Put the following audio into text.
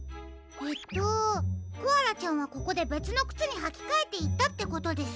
えっとコアラちゃんはここでべつのくつにはきかえていったってことですか？